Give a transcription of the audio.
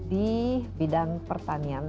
di bidang pertanian